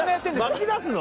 巻きだすの？